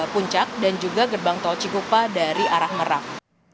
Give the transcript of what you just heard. puncak dan juga gerbang tol cikupa dari arah merak